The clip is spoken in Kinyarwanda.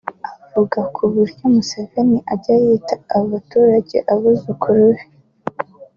Avuga ku buryo Museveni ajya yita abaturage abuzukuru be